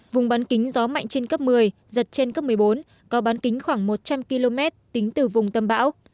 vùng bán kính gió mạnh trên cấp một mươi giật trên cấp một mươi bốn có bán kính khoảng một trăm linh km tính từ vùng tâm bão